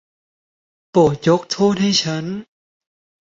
โปรดยกโทษให้ฉัน.